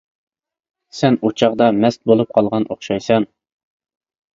-سەن ئۇ چاغدا مەست بولۇپ قالغان ئوخشايسەن.